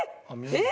えっ？